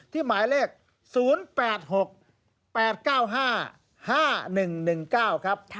หมายเลข๐๘๖๘๙๕๕๑๑๙ครับ